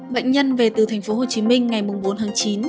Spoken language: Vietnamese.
bệnh nhân về từ thành phố hồ chí minh ngày bốn tháng chín